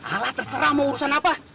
halah terserah mau urusan apa